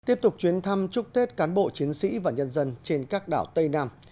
tiếp tục chuyến thăm chúc tết cán bộ chiến sĩ và nhân dân trên các đảo tây nam